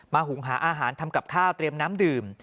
หุงหาอาหารทำกับข้าวเตรียมน้ำดื่ม